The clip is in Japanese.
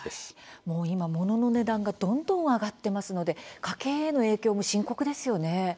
今、物の値段がどんどん上がってますので家計への影響も深刻ですよね。